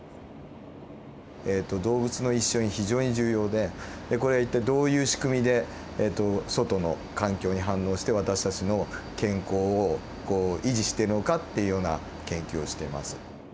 動物の一生に非常に重要でこれ一体どういう仕組みで外の環境に反応して私たちの健康をこう維持しているのかっていうような研究をしています。